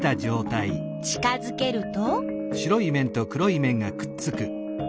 近づけると？